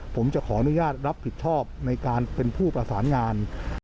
ผมจะขออนุญาตรับผิดชอบในการเป็นผู้ประสานงาน